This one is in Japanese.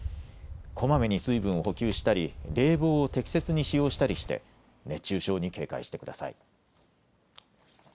こまめに水分を補給したり冷房を適切に使用したりして熱中症に警戒してください。